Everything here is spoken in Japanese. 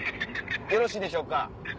よろしいでしょうか？